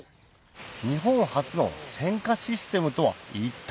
日本初の選果システムとは一体？